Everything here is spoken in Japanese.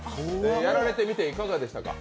やられてみていかがでしたか？